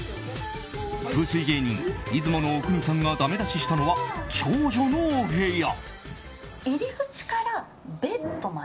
風水芸人、出雲阿国さんがだめ出ししたのは長女のお部屋。